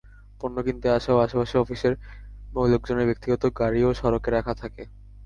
পণ্য কিনতে আসা ও আশপাশের অফিসের লোকজনের ব্যক্তিগত গাড়িও সড়কে রাখা থাকে।